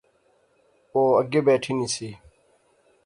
او اگے بیٹھی نی سی